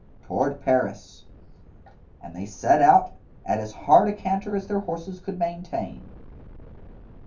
"Toward Paris." And they set out at as hard a canter as their horses could maintain.